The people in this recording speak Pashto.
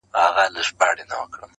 نو دا څنکه د ده څو چنده فایده ده,